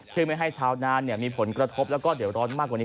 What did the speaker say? เพื่อไม่ให้ชาวนานมีผลกระทบแล้วก็เดี๋ยวร้อนมากกว่านี้